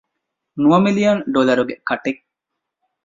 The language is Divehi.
ނުވަ މިލިއަން ޑޮލަރުގެ ކަޓެއް؟